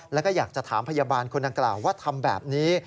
แล้วก็อยากจะถามพยาบาลคนดังกล่าวว่าทำแบบนี้